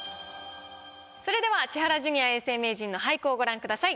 それでは千原ジュニア永世名人の俳句をご覧ください。